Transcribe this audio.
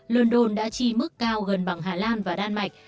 london đã chi mức cao gần bằng hà lan và đan mạch